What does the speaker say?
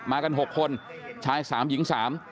กัน๖คนชาย๓หญิง๓